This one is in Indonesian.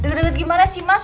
deket deket gimana sih mas